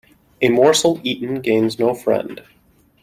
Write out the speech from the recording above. A morsel eaten gains no friend.